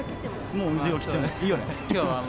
もう授業切っても、いいよね？